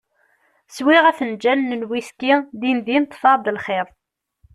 Swiɣ afenǧal n wiski, din din ṭfeɣ-d lxiḍ.